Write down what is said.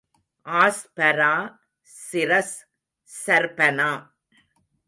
ஆஸ்பரா, சிரஸ், சர்பனா.